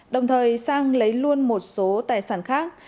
đồng thời sang lấy luôn một số tài sản khác